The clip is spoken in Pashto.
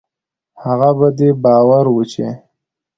هغه په دې باور و چې